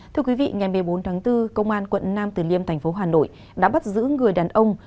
thưa quý vị ngày một mươi bốn tháng bốn công an quận nam từ liêm thành phố hà nội đã bắt giữ người đàn ông